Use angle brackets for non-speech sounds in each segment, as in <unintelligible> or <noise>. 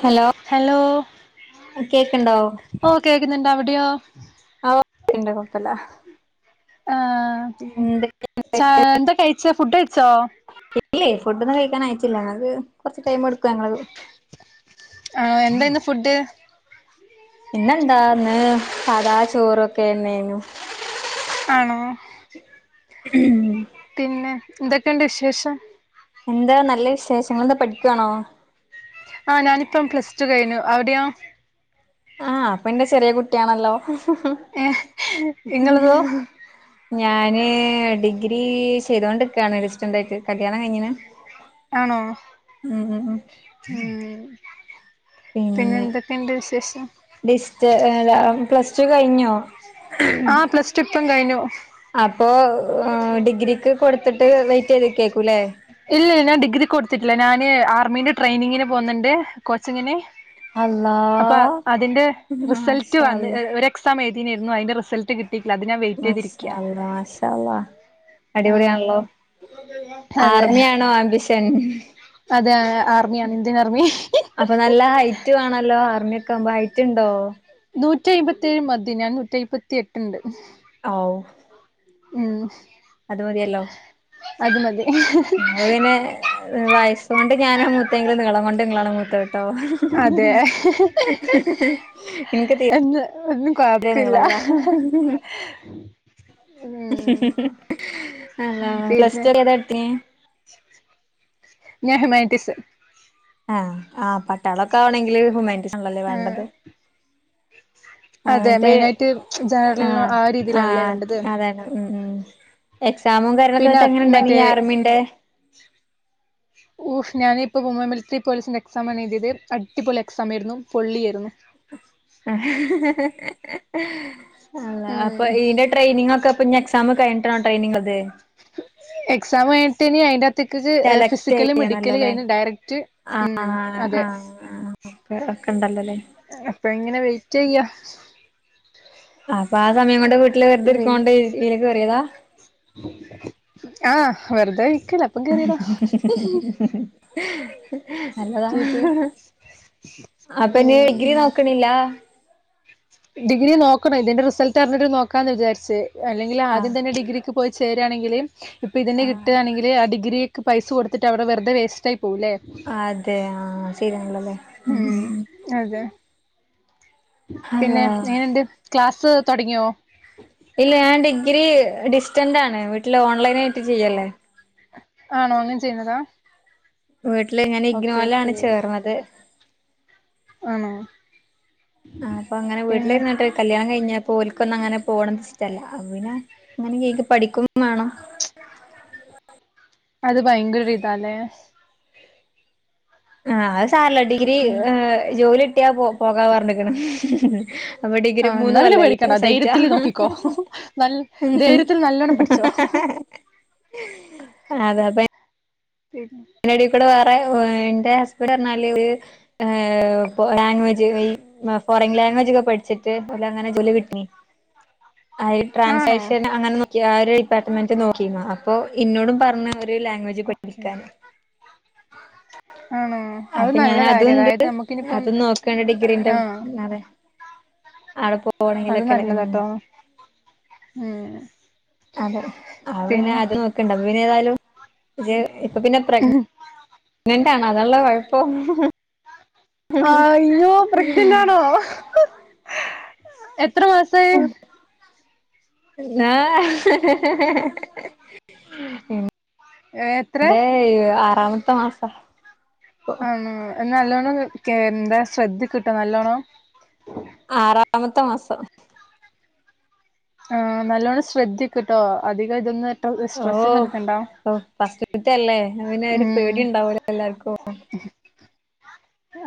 Hello hello കേക്ക്ണ്ടോ ഓഹ് കേക്ക്ന്ന്ണ്ട് അവിടെയോ ആഹ് <unintelligible> കൊഴപ്പല്ല എന്തൊക്കെ ച്ചാ എന്താ കഴിച്ചെ ഫുഡ്ഡഴിച്ചോ ഇല്ലേ ഫുഡൊന്നും കഴിക്കാൻ ആയിട്ടില്ല ഞങ്ങക്ക് കൊർച്ച് ടൈമെടുക്കും ഞങ്ങള് ആഹ് എന്തായിന്ന് ഫുഡ് ഇന്നെന്താ ഇന്ന് സാധാ ചോറൊക്കേന്നേന്നു ആണോ ഉം പിന്നെ എന്തെക്കേണ്ട് വിശേഷം എന്താ നല്ല വിശേഷങ്ങള് എന്താ പഠിക്ക്യാണോ ആഹ് ഞാനിപ്പം പ്ലസ് ടു കഴിഞ്ഞു അവിടെയോ ആഹ് അപ്പം ഇന്റെ ചെറിയ കുട്ട്യാണല്ലോ ഏഹ് ഇങ്ങളതോ ഞാന് ഡിഗ്രി ചെയ്തോണ്ട്ക്കാണ് ഡിസ്റ്റെൻ്റായിട്ട് കല്യാണം കഴിഞ്ഞ്ണ് ആണോ ഉം ഉം ഉം ഉം പിന്നെ എന്തെക്കേണ്ട് വിശേഷം ഡിസ്റ്റ് ഏഹ് ലാ പ്ലസ് ടൂ കഴിഞ്ഞോ ആഹ് പ്ലസ് ടു ഇപ്പം കഴിഞ്ഞു അപ്പോ ഡിഗ്രിക്ക് കൊടുത്തിട്ട് വെയിറ്റ് ചെയ്ത് നിക്കേക്കൂല്ലേ ഇല്ല ഞാൻ ഡിഗ്രിക്ക് കൊടുത്തിട്ടില്ല ഞാന് ആർമീന്റെ ട്രെയിനിങ്ങിന് പോവുന്നുണ്ട് കോച്ചിങ്ങിന് അല്ലാഹ് അപ്പ അതിന്റെ റിസൾട്ട് മാഷാ വന്ന് അല്ലാഹ് ഏഹ് ഒരേ എക്സാം എഴുതീനേരുന്നു അതിന്റെ റിസൾട്ട് കിട്ടിയിട്ടില്ല അത് ഞാൻ വെയിറ്റ് മാഷാ ചെയ്തിരിക്കാ അല്ലാഹ് മാഷാ അല്ലാഹ് അടിപൊളിയാണല്ലോ ആഹ് അതെ ആർമിയാണോ ആംബിഷൻ അതേ ആർമിയാണ് ഇന്ത്യൻ ആർമി അപ്പൊ നല്ല ഹൈറ്റ് വേണല്ലോ ആർമിയൊക്കെ ആവുമ്പോ ഹൈറ്റ് ഇണ്ടോ നൂറ്റി അഴുപത്തി ഏഴ്‌ മതി ഞാൻ നൂറ്റി അഴുപത്തി എട്ട് ഉണ്ട് ഔ ഉം അത് മതിയല്ലോ അത് മതി വയസ്സുകൊണ്ട് ഞാനാ മൂത്തെങ്കിലും നീളം കൊണ്ട് നിങ്ങളാണ് മൂത്തത് ട്ടോ അതെ ഇൻക്ക് തി എന്ന് ഒന്നും കൊഴപ്പില്ല ഉം അള്ളാ പ്ലസ് പിന്നെ ടൂ ഏതാ എടുത്തീനെ ഞാൻ ഹ്യുമാനിറ്റിസ് ആഹ് ആഹ് പട്ടാളൊക്കെ ആവണെങ്കില് ഹ്യുമാനിറ്റിസ് ആണല്ലോലെ ആഹ് വേണ്ടത് ആഹ് അതെ ന്നിട്ട് മെയിനായിട്ട് ജനറൽ ആഹ് ആ രീതിയിലാണല്ലേ ആഹ് വേണ്ടത് അതാണ് ഉം ഉം എക്സാമും കാര്യങ്ങളൊക്കെ പിന്നെ എന്നിട്ട് എങ്ങനെ ഉണ്ടാരുന്നു മറ്റേ ഈ ആർമിന്റെ ഓഹ് ഞാനിപ്പ വുമൺ മിലിറ്ററി പോലീസിന്റെ എക്സാം ആണ് എഴുതിയത് അടിപൊളി എക്സാം ആയിരുന്നു പൊള്ളി ആയിരുന്നു അള്ളാ അപ്പ ഉം ഇതിന്റെ ട്രെയിനിങ്ങൊക്കെ ഇപ്പ ഇനി എക്സാമ് കിഴിഞ്ഞിട്ടാ ട്രെയിനിങ്‌ ഉള്ളത് എക്സാം കഴിഞ്ഞിട്ടിനി അയിന്റ തിക്ക്ക്ക് ഏഹ് സെലക്ട് ഫിസിക്കല് മെഡിക്കല് ചെയ്യണല്ലോല്ലേ കഴിഞ്ഞ് ഡയറക്റ്റ് ഉം ആഹ് അതെ ആഹ് ഒക്കെ ഒക്കെണ്ടല്ലോല്ലേ ആഹ് അപ്പങ്ങനെ വെയിറ്റ് ചെയ്യാ അപ്പൊ ആ സമയം കൊണ്ട് വീട്ടില് വെറുതെ പിന്നെ ഇരിക്കണോണ്ട് ഇതിലേക്ക് കേറിയതാ ആഹ് വെറുതേ ഇരിക്കല്ലേ നല്ലതാ ഇത് അപ്പൊ ഇന്നി ഉം ഡിഗ്രി നോക്കണില്ലാ ഡിഗ്രി നോക്കണം ഇതിന്റെ റിസൾട്ട് അറിഞ്ഞിട്ട് നോക്കാന്ന് വിചാരിച്ച് അല്ലെങ്കിൽ ആദ്യം ആഹ് തന്നെ ഡിഗ്രി ക്ക് പോയി ചേരാണെങ്കില് ഇപ്പ ഇതിന് ആഹ് കിട്ടുകാണെങ്കില് ആ ഡിഗ്രിക്ക് പൈസ കൊടുത്തിട്ട് അവിടെ വെറുതെ വേസ്റ്റായി പോകൂല്ലേ അതേ ആഹ് ശെരിയാണല്ലോ ല്ലേ ഉം ഉം ഉം അതെ പിന്നെ അള്ളാ എങ്ങനെണ്ട് ക്ലാസ്സ് തൊടങ്ങിയോ ഇല്ല ഞാൻ ഡിഗ്രി ഡിസ്റ്റന്റ് ആണ് വീട്ടില് ഓൺലൈൻ ആയിട്ട് ചെയ്യല്ലേ ആണോ അങ്ങനെ ചെയ്യുന്നതാ വീട്ടില് ഇങ്ങനെ ഓക്കെ ഓക്കെ ഇഗ്നോവലാണ് ചേർന്നത് ആണോ ആഹ് അപ്പ അങ്ങനെ വീട്ടിൽ പിന്നെ ഇരുന്നിട്ട് കല്യാണം കഴിഞ്ഞപ്പോ ഓലിക്കൊന്നും അങ്ങനെ പോണത് ഇഷ്ട്ടല്ലാ അപ്പ പിന്നാ എങ്ങനെങ്കും എനിക്ക് പഠിക്കും വേണം അത് ഭയങ്കര ഒരു ഇതാല്ലേ ആഹ് അത് സാരല്ല ഡിഗ്രി പിന്നെ ഏഹ് ജോലി കിട്ടിയാ പോ പോകാ പറഞ്ഞ്ക്കണ് ആഹ് ഇന്നാ പിന്നെ പേഠിക്കണ്ട ധൈര്യത്തില് നോക്കിക്കോ നൽ ധൈര്യത്തിൽ നല്ലണം പഠിച്ചോ അതാ <unintelligible> <unintelligible> സൈടീ കൂടെ വേറെ ഏഹ് എന്റെ ഹസ്ബന്റ് പറഞ്ഞല് ആഹ് ഇപ്പോ ലാംഗ്വേജ് ഈ ഫോറിൻ ലാംഗ്വേജൊക്കെ പഠിച്ചിട്ട് പുള്ളി അങ്ങനെ ജോലി കിട്ടി അയ് ആണോ ട്രാൻസാക്ഷൻ അങ്ങനെ നോ ക്ക് ആ ഒരു ഡിപാർട്ട്മെന്റ് നോക്കിനു അപ്പോ ഇന്നോടും പറഞ്ഞ് ഒരു ലാംഗ്വേജ് ഓക്കെ പഠിക്കാന് ആണോ അത് അപ്പൊ നല്ല കാര്യം ഞാനതുണ്ട് അതായത് നമുക്കിനിപ്പം അതും നോക്കാണ് ഡിഗ്രീന്റെ ആഹ് അതെ <unintelligible> അത് ഉം നല്ലതാട്ടോ ഉം അതെ അത് പിന്നെ അത് നോക്കണ്ട ഇപ്പ പിന്നെ ഏതായാലും ഇപ്പ പിന്നെ പ്രഗ്നൻ്റാണ് അതാള്ള കൊഴപ്പം അയ്യോ പ്രഗ്നന്റാണോ എത്ര മാസാ ആഹ് എത്ര ഇന്റെ ആറാമത്തെ മാസാ ഉം എന്നാ നല്ലോണ്ണം കെ എന്താ ശ്രദ്ധിക്കിട്ടോ നല്ലോണം ആറാമത്തെ മാസം ആഹ് നല്ലോണം ശ്രദ്ധിക്ക്ട്ടോ അധികം ഇതൊന്നു ഓഹ് ഓ ഫസ്റ്റ്ത്തെ അല്ലേ അപ്പ പിന്നെ ഒരു ഉം പേടി ഉണ്ടാവൂലോ എല്ലാർക്കും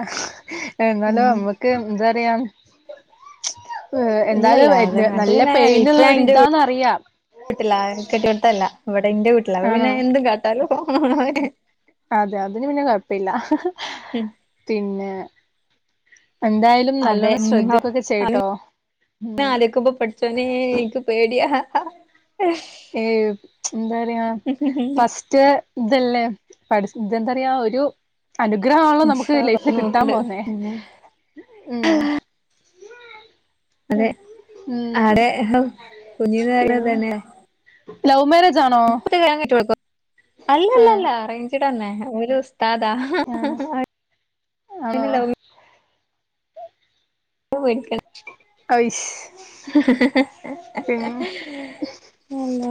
ആഹ് എന്നാലും ഉം നമ്മക്ക് എന്താ പറിയാ ഏഹ് ഇല്ലല്ല എന്താലും എൻ അത് അത് നല്ല പിന്നെ ഇപ്പ പെയിനുള്ള ഞാൻ ഒരു എന്റെ ഇതാന്ന് അറിയാം വീട്ടിലാ കെട്ടിയോടത്ത് അല്ല ഇവിടെ ഇന്റെ വീട്ടിലാ അപ്പ ആണോ പിന്നെ എന്തും കാട്ടാലോ അതെ അതിന് പിന്നെ കൊഴപ്പയില്ല പിന്നെ എന്തായാലും അതെ നല്ലോണ്ണം ഉം ശ്രദ്ധിക്കൊക്കെ ചെയ്യ്ട്ടോ ഉം ച്ചോനെ എനിക്ക് പേടിയാ ഏഹ് എന്താ പറയാ ഫസ്റ്റ് റ്റ് ഇതല്ലേ പട ഇതെന്താ പറയാ ഒരു അനുഗ്രഹം ആണല്ലോ നമുക്ക് ഇൻഷാ അള്ളാ ഒക്കെ ലൈഫില് കിട്ടാൻ നോക്ക്ണ്ട് പോന്നേ പിന്നെ ഉം അതെ ഉം അടെ കുഞ്ഞ നാളില് പിന്നെ തന്നെയ ലവ് മാരേജ് ആണോ കൊടുക്ക ഉം അല്ലല്ലല്ല അറേഞ്ച്ട തന്നെ ഒരു ഉസ്താദാ ആഹ് ആണോ പിന്നെ ലൗ <inaudible> അഐശ ഹ ഹ ഹ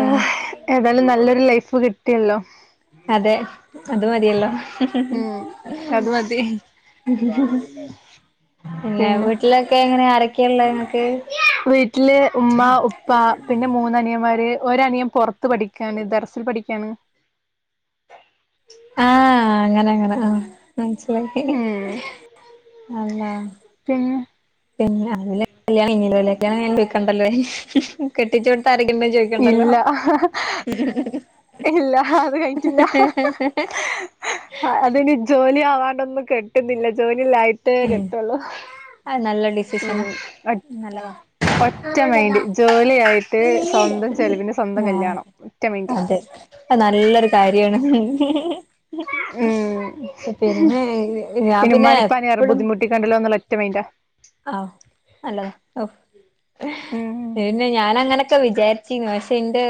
ആഹ് ഏതായാലും നല്ലൊരു ലൈഫ് കിട്ടിയല്ലോ അതെ അത് മതിയല്ലോ ഉം അത് മതി ഉം ഹ പിന്നെ വീട്ടിലക്കെ എങ്ങനെ അരൊക്കെയള്ള ങ്ങക്ക് വീട്ടിൽ ഉമ്മ ഉപ്പ പിന്നെ മൂന്നനിയന്മാർ ഒരണിയൻ പുറത്ത് പഠിക്കുകയാണ് ഇ ദറസിൽ പഠിക്കുകയാണ് ആഹ അങ്ങനെ അങ്ങനെ ആ മനസിലായി ഉം അല്ല പിന്നെ പിന്നെ അതി കല്യാ ഇലൊക്കെയാണ് ഞാൻ വക്കാണ്ടല്ലത് കെട്ടിച്ചോടുത്തരക്കണ്ട ചോദിക്കണ്ടല്ലോ ഇല്ല ഇല്ല അത് കഴിഞ്ഞിട്ടില്ല ഹ <unintelligible> അതിന് ജോലി അവണ്ടൊന്നും കിട്ടുന്നില്ല ജോലില്ലായിട്ട് കിട്ടുള്ളൂ അത് നല്ല ഉ ഡിസിഷനാ അ നല്ലതാ ഒറ്റ മൈൻഡ് ജോലി ആയിട്ട് സ്വന്തം ചെലവിന്റെ സ്വന്തം ആഹ് കല്യാണം ഒറ്റമൈന്റ് അതെ അത് നല്ലൊരു കാര്യാണ് ഉം പിന്നെ ഞാൻ പിന്നെ എപ്പഴും ബുദ്ധിമുട്ടിക്കണ്ടല്ലോന്നുള്ള ഒറ്റമൈൻഡാ ആഹ് നല്ലതാ ഓ ഉം പിന്നെ ഞാന അങ്ങനൊക്കെ വിചാരിച്ചിരുന്നു പക്ഷെ ഇന്റെ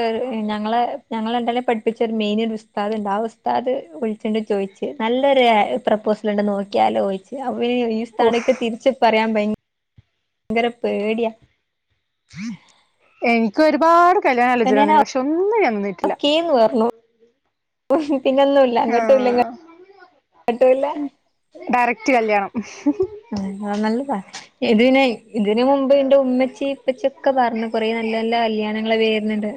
ഞങ്ങളെ ഞങ്ങളെ രണ്ടാളെ എ പഠിപ്പിച്ച ഒരു മെയിൻ ഒരു സ് ഉസ്താദ്ണ്ട് ആ ഉസ്താദ് വിളിചോണ്ട് ചോയ്ച്ച് നല്ലൊരു പ്രപ്പോസൽ ഇണ്ട് നോക്കിയാലോയ്ച്ച് അവര് ഈ ഉഫ് ഉസ്താണിക്കെ തിരിച്ച് പറയാൻ ഭയങ്കര പേടിയാ എനിക്ക് ഒരുപാട് കല്യാണ ആലോചന വന്നേനു പക്ഷെ ഒന്നിനും ഞാൻ നിന്നി ഓക്കെന്ന് പറഞ്ഞു പിന്നൊന്നുംല്ല അങ്ങോട്ടും ഇല്ല ഇങ്ങോട്ടും ആഹ് പട്ടൂല്ല ഡയറക്റ്റ് കല്യാണം ആഹ് ആ നല്ലതാ ഇതിനെ ഇതിന് മുമ്പ്ന്റു ഉമ്മച്ചിപ്പച്ചിയ്ക്കെ പറഞ്ഞു കൊറേ നല്ല നല്ല കല്യാണങ്ങള് വരുന്നുണ്ട്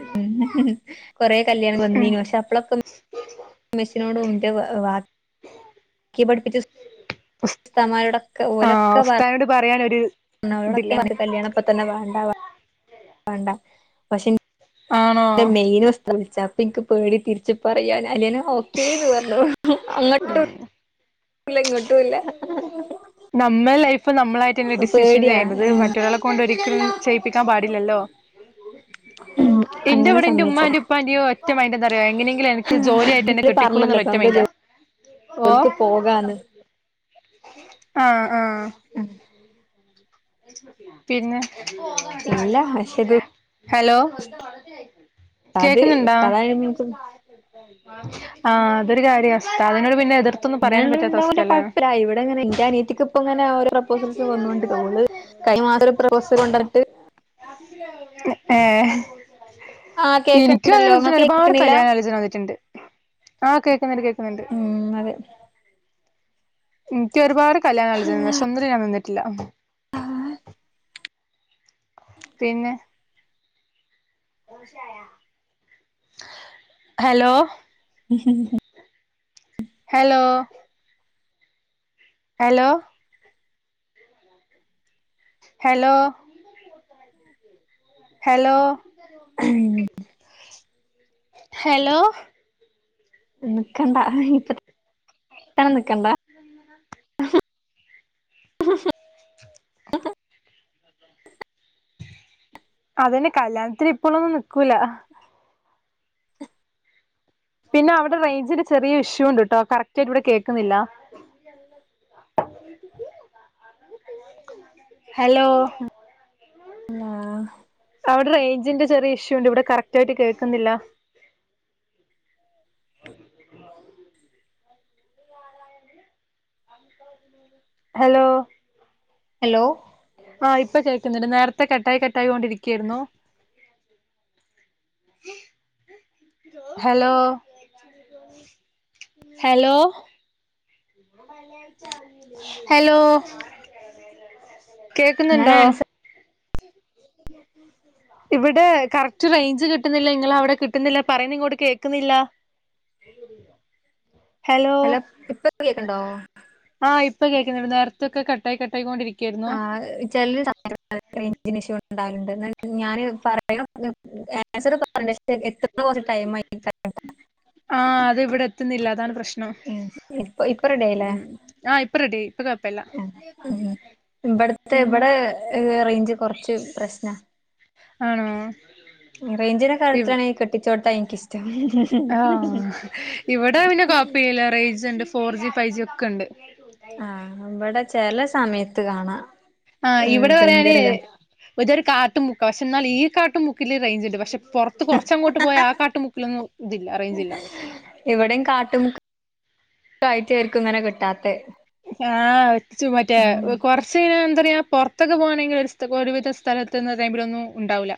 കൊറെ കല്യാണം വന്നീനു പക്ഷെ അപ്പോളൊക്കെ <inaudible> ഉമ്മച്ചിനോടും ൻ്റെ വാ വാ ഇക്ക് പഠിപ്പിച്ച <inaudible> ഉസ്താദ്മാരൊടൊക്കെ ആഹ് ഓലൊക്കെ പറ ഉസ്താദിനോട് പറയാനൊരു വരണോരൊടൊക്കെ ഇതില്ല ഞാൻ പറഞ്ഞിക്ക് കല്യാണപ്പതന്നെ വേണ്ട വേണ്ട പഷേ ഇൻ ആണോ ൻ്റെ മെയിൻ ഉസ്താ വിളിച്ച അപ്പൊ എനിക്ക് പേടി തിരിച്ച് പറയാൻ അല്ല നു ഓക്കേന്ന് പറഞ്ഞു അങ്ങോട്ടും ല്ല ഇങ്ങോട്ടുംല്ല നമ്മള ലൈഫ് നമ്മളായിട്ട്ന്നെ ഡിസിഷൻ പേടിയാ ചെയ്യേണ്ടത് മറ്റൊരാളെ കൊണ്ട് ഒരിക്കലും ചെയ്യിപ്പി നിക്കാൻ പാടില്ലല്ലോ ഇന്റെ അങ്ങനെ ഇവിടെ ന്റെ ഉമ്മ സമ്മതിച്ചതാ ന്റെ ഉപ്പ ൻ്റെരു ഒറ്റ മൈൻഡ് എന്താറിയോ എങ്ങനെങ്കിലും എനക്ക് ജോലി ആയിട്ട് എന്നെ കെട്ടിക്കുള്ളൂന്ന ഒറ്റ മെൻഡാ <inaudible> അവൾക്ക് പോകാന്ന് ആഹ് ആഹ് ഉം പിന്നെ ഇല്ല പക്ഷെ ഇത് ഹലോ അത് കേക്കുന്നുണ്ടാ ഉസ്താദ് ആയിരുന്നിരിക്കും ആഹ് അതൊരു കാര്യം ഉസ്താദിനോട് പിന്നെ എതിർ ഇങ്ങനെള്ളോരുണ്ടാവലു കൊഴപ്പല്ല ആഹ് ഇവിടെങ്ങനെ ഇന്റെ അനിയത്തിക്ക് ഇപ്പ ഇങ്ങനെഓരോ പ്രൊപ്പോസൽസ് വന്നൊണ്ട് ഓള് കഴിഞ്ഞ മാസം ഒരു പ്രോപ്പോസല് കൊണ്ടന്നിട്ട് ഏഹ് ആഹ് എനിക്കും കേക്ക്ണ്ടല്ലോ അതേപോലെ ഇങ്ങൾ തന്നെ ഒരുപാട് കേക്ക്ണില്ല കല്യാണാലോചന വന്നിട്ടുണ്ട് ആഹ് കേക്കുന്നുണ്ട് കേ ഉം അതെ എനിക്ക് ഒരുപാട് കല്യാണലോചന വന്നു പക്ഷേ ഒന്നിലും ഞാൻ നിന്നിട്ടില്ല ആഹ് പിന്നെ hello <unintelligible> hello hello hello hello <unintelligible> hello നിക്കണ്ട ഇപ്പ തന്നെ നിക്കണ്ട <inaudible> അതന്നെ കല്യാണത്തിന് ഇപ്പോളൊന്നും നിക്കൂല പിന്നെ അവിടെ റേഞ്ചിന്റെ ചെറിയൊരു ഇഷ്യൂ ഉണ്ടട്ടോ കറക്റ്റായിട്ട് ഇവിടെ കേക്കുന്നില്ല ഹലോ ആഹ് അവിടെ റേഞ്ചിൻ്റെ ചെറിയ ഇഷ്യൂ ഉണ്ട് ഇവിടെ കറക്റ്റ് ആയിട്ട് കേൾക്കുന്നില്ല. Hello hello. ആഹ് ഇപ്പൊ കേൾക്കണ്ട് നേരത്തെ കട്ടായി കട്ടായി കൊണ്ടിരിക്കുവയായിരുന്നു ഹലോ ഹലോ ഹലോ ഞാൻ കേക്കുന്നുണ്ടോ ആൻസർ <unintelligible> ഇവിടെ കറക്റ്റ് റേഞ്ച് കിട്ടുന്നില്ല നിങ്ങ അവിടെ കിട്ടുന്നില്ല പറയുന്ന ഇങ്ങോട്ട് കേക്കുന്നില്ല <inaudible> ഹലോ ഇപ്പ കേക്കണ്ടോ ആഹ് ഇപ്പൊ കേൾക്കുന്നുണ്ട് നേർത്തൊക്കെ കട്ടായി കട്ടായിക്കൊണ്ടിരിക്കും ആഹ് ചെലര് <unintelligible> <unintelligible> എത്ത്ന്ന കൊറച്ച് ടൈം ആയി ആഹ് അത് ഇവിടെ എത്തുന്നില്ല അതാണ് പ്രശ്നം ഉം ഇപ്പൊ ഇപ്പൊ ഉം ആഹ് ഇപ്പ റെഡി ആയി ആഹ് ഉം ഇവിടത്തെ പിന്നെ ഇവിടെ റേഞ്ച് കൊറച്ച് പ്രശ്ന ആണോ റേഞ്ചിന്റെ ഇവ് കാലയത്തിലാണ് കെട്ടിച്ചോട്ടാ എനിക്കഷ്ടം ആഹ് ഇവിടെ പിന്നെ കോപ്പില്ല റേഞ്ച് ഉണ്ട് ഫോർ ജി ഫൈവ് ജി ഒക്കെ ഉണ്ട് ആഹ് ഇവിടെ ചെല സമയത്ത് കാണാം. ആഹ് ഇവിടെ പറയാന് ഇത് ഒരു കാട്ടും മുക്കാണ് പക്ഷെ എന്നാൽ ഈ കാട്ടും മുക്കില് റേഞ്ച് ഉണ്ട് പക്ഷെ. അത്ത് കുറച്ചങ്ങോട്ട് പോയ ആഹ് കാട്ടുമുക്കിലൊന്നും ഇതില്ല റേഞ്ചില്ല. ഇവിടയും കാട്ടുമുക്കായിറ്റേർക്കും ഇങ്ങനെ കിട്ടാത്ത. ആഹ് മറ്റേ കൊറച്ചയ്ഞ്ഞ എന്താ പറയാ പുറത്തൊക്കെ പോകണെങ്കിൽ ഒരു ഒരുവിധ. സ്ഥലത്ത്ന്ന ടൈമിലൊന്നും ഉണ്ടാവൂല്ല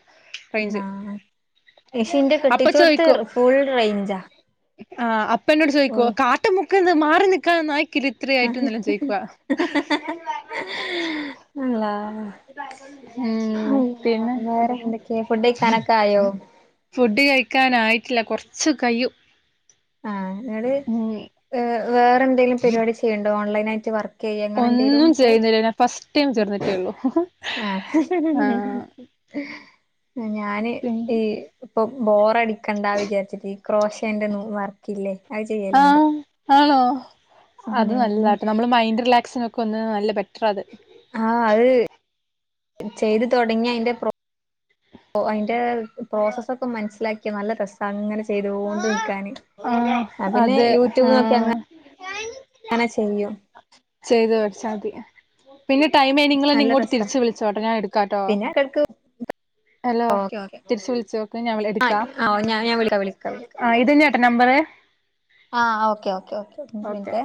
റേഞ്ച് <unintelligible> അപ്പൊ കെട്ടിച്ച കൊടുത്ത് ഫുൾ റേഞ്ചാ. ആഹ് അപ്പ എന്നോട് ചോദിക്കോ ഓഹ് കാട്ട് മുക്ക്ന്ന് മാറി നിക്കാ ത്രി അള്ളാ <unintelligible> ഉം അള്ളാ പിന്ന വേറെ എന്തൊക്കെയാ ഫുഡ് കഴിക്കാനൊക്കെ ആയോ ഫുഡ് കഴിക്കാനായിട്ടില്ല കുറച്ച് കഴ്യു ആ നിട് വേറെ എന്തെങ്കലും പരിപാടി ചെയ്യണ്ടോ ഓൺലൈൻ ആയിട്ട് ഒന്നും ചെയ്യുന്നില്ല ഫസ്റ്റ് ഇറ്റം ചേർന്നിട്ടേള്ളൂ ആഹ് ആഹ ഞാന് ഈ ഇപ്പൊ ബോറ അടിക്കണ്ട വിചാരിച്ചിട്ട് ഈ ക്രോഷേന്റെ വർക്ക ഇല്ലേ അത് ചെയ്യലുണ്ട് ആഹ് ആണോ അത് നല്ലതായിട്ട് നമ്മള് മൈൻഡ് റിലാക്സിനൊക്കെ വന്ന് നല്ല ബെറ്റർ അത് ആഹ അത് ചെയ്ത് തുടങ്ങിയ അതിന്റെ ഓ അതിന്റെ പ്രോസസ്സ ഒക്കെ മനസ്സിലാക്കിയ നല്ല രസ അങ്ങനെ ചെയ്തൊണ്ട് നിക്കാന് ആ ആ പിന്നെ അതെ ആ യൂട്യൂബ് നോക്കി അങ്ങ അങ്ങനെ ചെയ്യും ചെയ്ത് വരിച്ചാൽ മതി പിന്നെ ടൈ നിങ്ങൾെ നല്ല ഇങ്ങട്ട രസാ തിരിച്ച് വിളോട്ടോ ഞാ എടുക്കാട്ടോ പിന്നെ ഇടക്ക് ഹലോ ഓക്കെ ഓക്കെ തിരിച്ച വിളിച്ചോക്കെ ഞ എടുക്കാം ആ ഞാൻ ഞാൻ വിളിക്കാം വിളിക്കാം ആ ഇത് നമ്പര് ആ ഓക്കെ ഓക്കെ ഓക്കെ